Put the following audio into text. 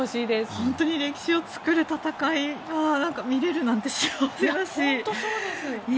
本当に歴史を作る戦いを見れるなんて幸せだし。